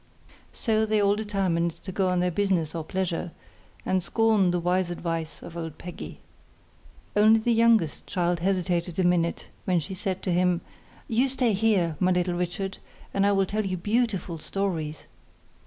So they all determined to go on their business or pleasure, and scorned the wise advice of old Peggy. Only the youngest child hesitated a minute, when she said to him, 'You stay here, my little Richard, and I will tell you beautiful stories.